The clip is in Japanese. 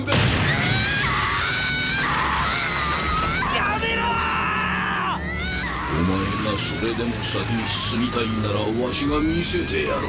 あぁ‼やめろ‼お前がそれでも先に進みたいならワシが見せてやろう。